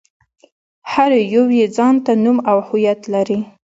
هر يو يې ځان ته نوم او هويت لري.